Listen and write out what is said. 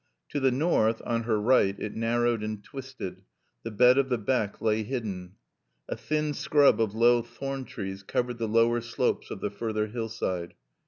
To the north, on her right, it narrowed and twisted; the bed of the beck lay hidden. A thin scrub of low thorn trees covered the lower slopes of the further hillside.